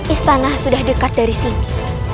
istana sudah dekat dari sini